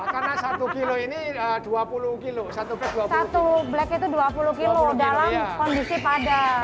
karena satu kilo ini dua puluh kilo satu blk itu dua puluh kilo dalam kondisi padat